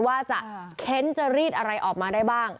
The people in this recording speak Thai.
ว่าจะเค้นจะรีดอะไรออกมาได้บ้าง